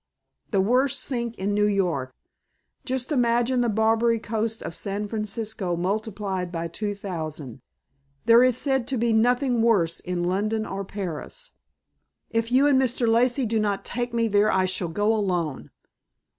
"The worst sink in New York. Just imagine the Barbary Coast of San Francisco multiplied by two thousand. There is said to be nothing worse in London or Paris." "If you and Mr. Lacey do not take me there I shall go alone."